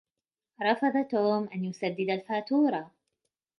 رفض توم أن يسدّد الفاتورة.